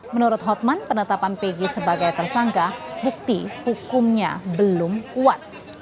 menurut hotman penetapan pg sebagai tersangka bukti hukumnya belum kuat